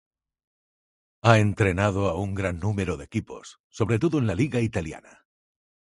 Ha entrenado a un gran número de equipos, sobre todo en la liga italiana.